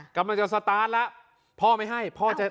แกเลย